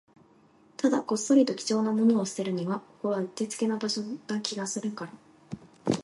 ただ、こっそりと貴重なものを捨てるには、ここはうってつけな場所な気がするから